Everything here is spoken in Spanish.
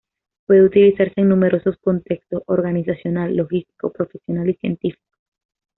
Puede utilizarse en numerosos contextos: organizacional, logístico, profesional y científico.